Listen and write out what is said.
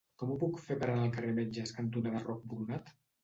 Com ho puc fer per anar al carrer Metges cantonada Roc Boronat?